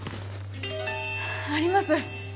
あります。